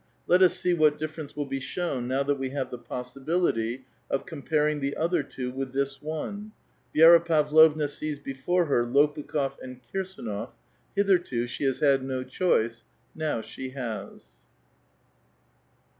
Let us see what difference will be shown now ^hat we have the possibility of comparing the other two with "this one. Vi^ra Pavlovna sees before her Lopukh6f and ZKirsdnof. Hitherto she has had no choice ; now she has.